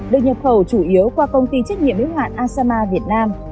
được nhập khẩu chủ yếu qua công ty trách nhiệm ưu hoạn asama việt nam